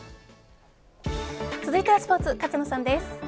続いてはスポーツ勝野さんです。